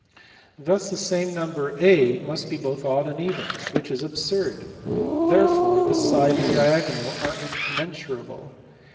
Thus the same number a must be both odd and even, which is absurd; therefore the side and diagonal are incommensurable.